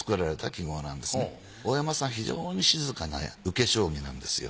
非常に静かな受け将棋なんですよ。